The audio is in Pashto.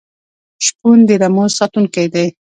شپون د رمو ساتونکی دی.